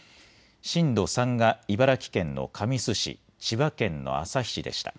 震度３が茨城県の神栖市、千葉県の旭市でした。